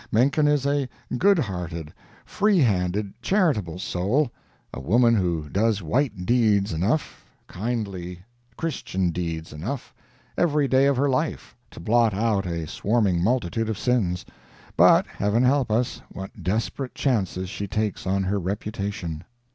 Menken is a good hearted, free handed, charitable soul—a woman who does white deeds enough, kindly Christian deeds enough, every day of her life to blot out a swarming multitude of sins; but, Heaven help us, what desperate chances she takes on her reputation!